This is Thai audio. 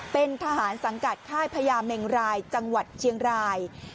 เป็นทหารสังกัดค่ายพญาเมงรายจังหวัดเชียงราย